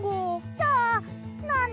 じゃあなんで？